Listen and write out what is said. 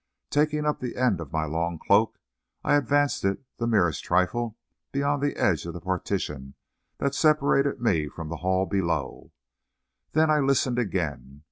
Taking up the end of my long cloak, I advanced it the merest trifle beyond the edge of the partition that separated me from the hall below. Then I listened again.